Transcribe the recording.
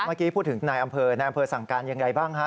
เมื่อกี้พูดถึงนายอำเภอนายอำเภอสั่งการอย่างไรบ้างฮะ